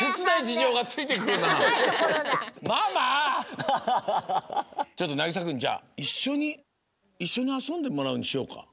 ちょっとなぎさくんじゃあ「いっしょにあそんでもらう」にしようか。